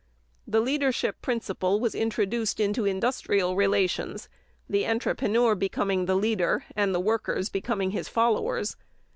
The Leadership Principle was introduced into industrial relations, the entrepreneur becoming the leader and the workers becoming his followers.